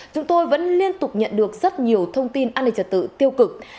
chúng tôi vẫn liên tục nhận được rất nhiều thông tin an ninh trật tự tiêu cực